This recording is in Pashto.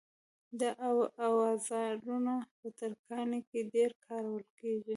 دا اوزارونه په ترکاڼۍ کې ډېر کارول کېږي.